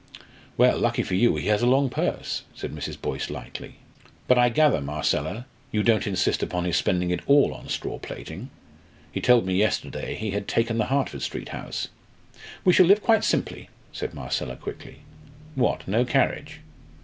"Well, lucky for you he has a long purse," said Mrs. Boyce, lightly. "But I gather, Marcella, you don't insist upon his spending it all on straw plaiting. He told me yesterday he had taken the Hertford Street house." "We shall live quite simply," said Marcella, quickly. "What, no carriage?"